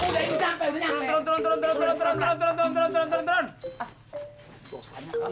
kayaknya apa jadi begini